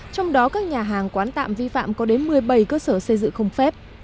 trong đó các nhà hàng quán tạm vi phạm có đến một mươi bảy cơ sở xây dựng không phép